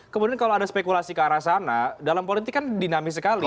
kemudian kalau ada spekulasi ke arah sana dalam politik kan dinamis sekali